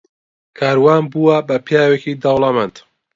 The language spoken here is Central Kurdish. کاروان بووە بە پیاوێکی دەوڵەمەند.